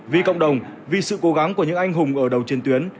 vì cộng đồng vì sự cố gắng của những anh hùng ở đầu trên tuyến